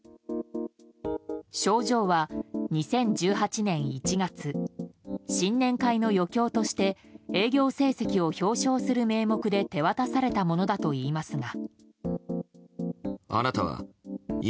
賞状は２０１８年１月新年会の余興として営業成績を表彰する名目で手渡されたものだといいますが。